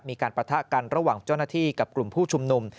ปะทะกันระหว่างเจ้าหน้าที่กับกลุ่มผู้ชุมนุม